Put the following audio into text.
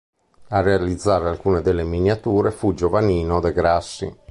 A realizzare alcune delle miniature fu Giovannino de' Grassi.